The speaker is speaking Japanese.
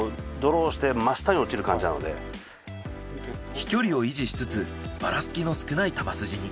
飛距離を維持しつつバラツキの少ない球筋に。